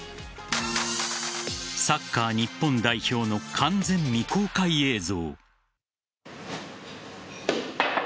サッカー日本代表の完全未公開映像。